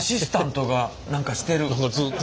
何かずっと。